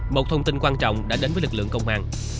một thông tin quan trọng đã đến với lực lượng công an